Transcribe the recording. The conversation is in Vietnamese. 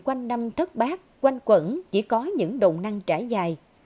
quanh năm thất bác quanh quẩn chỉ có những đồng năng trải dài